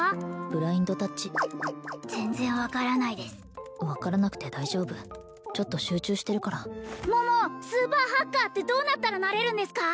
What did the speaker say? ブラインドタッチ全然分からないです分からなくて大丈夫ちょっと集中してるから桃スーパーハッカーってどうなったらなれるんですか？